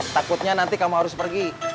takutnya nanti kamu harus pergi